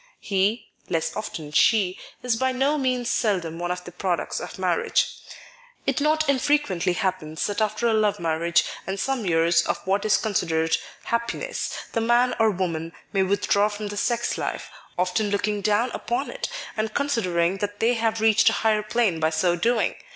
He (less often she) is by no means seldom one of the products of marriage. It not infrequently happens that after a love marriage and some years of what is considered happiness, the man or woman may withdraw from the sex life, often looking down upon it, and considering Abstinence 73, that they have reached a higher plane by so doing.